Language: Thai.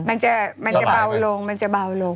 มันจะเบาลง